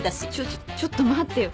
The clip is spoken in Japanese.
ちょちょっと待ってよ。